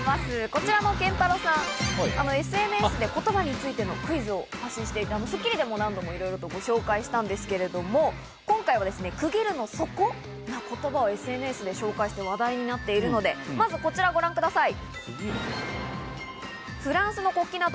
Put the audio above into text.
こちらのけんたろさん、ＳＮＳで言葉についてのクイズを発信して、『スッキリ』でも何度もご紹介しているんですけれども、今回は区切るのそこ？な言葉をＳＮＳで紹介していて話題になっているので、まずはこちらをご覧ください。